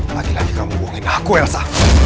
lagi lagi kamu buangin aku elsa